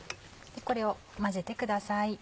これを混ぜてください。